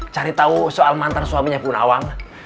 cari tahu soal mantan suaminya punawang